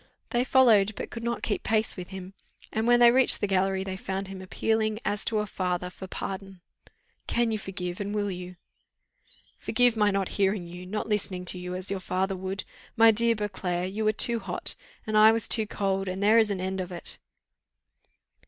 They followed, but could not keep pace with him; and when they reached the gallery, they found him appealing, as to a father, for pardon. "Can you forgive, and will you?" "Forgive my not hearing you, not listening to you, as your father would? My dear Beauclerc, you were too hot, and I was too cold; and there is an end of it."